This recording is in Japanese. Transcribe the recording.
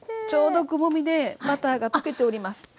ちょうどくぼみでバターが溶けております。